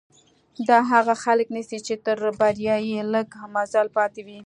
دا هغه خلک نيسي چې تر بريا يې لږ مزل پاتې وي.